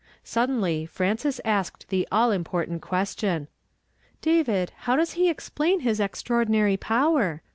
Sud denly Frances asked the all important question, —" David, how does he explain his extraordinary power?